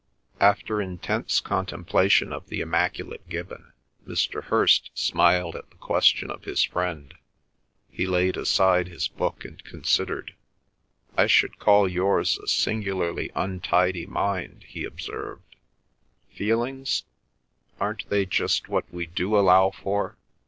After intense contemplation of the immaculate Gibbon Mr. Hirst smiled at the question of his friend. He laid aside his book and considered. "I should call yours a singularly untidy mind," he observed. "Feelings? Aren't they just what we do allow for?